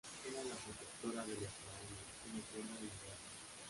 Era la protectora de los faraones y los guiaba en la guerra.